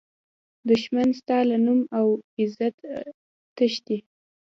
دښمن ستا له نوم او عزته تښتي